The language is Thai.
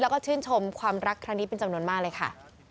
แล้วก็ชื่นชมความรักครั้งนี้เป็นจำนวนมากเลยค่ะ